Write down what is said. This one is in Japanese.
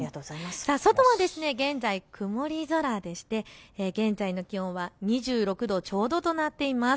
外は現在、曇り空でして、現在の気温は２６度ちょうどとなっています。